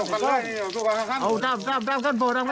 ราดตัวเองไปคนละห้าขันนี่คือการทำเทาะ